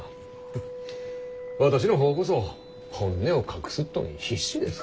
フッ私の方こそ本音を隠すっとに必死です。